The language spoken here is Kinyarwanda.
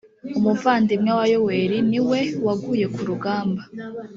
umuvandimwe wa yoweli niwe waguye kurugamba